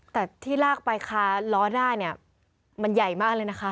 แต่ที่ลากไปคาล้อได้เนี่ยมันใหญ่มากเลยนะคะ